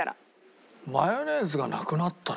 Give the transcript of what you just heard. マヨネーズがなくなったら？